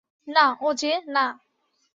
না, ওজে, না।